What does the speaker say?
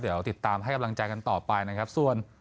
เดี๋ยวติดตามให้กำลังใจกันต่อไปนะครับส่วน